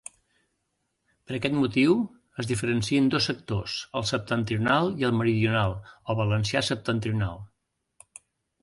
Per aquest motiu, es diferencien dos sectors: el septentrional i el meridional o valencià septentrional.